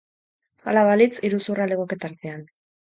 Hala balitz, iruzurra legoke tartean.